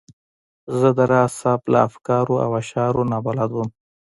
زه د راز صاحب له افکارو او اشعارو نا بلده وم.